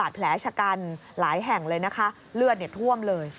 แผลชะกันหลายแห่งเลยนะคะเลือดท่วมเลย